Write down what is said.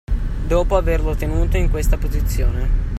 Dopo averlo tenuto in questa posizione.